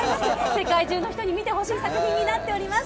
世界中の人に見てほしい作品になっております。